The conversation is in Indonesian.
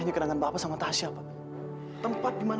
pak pak tristan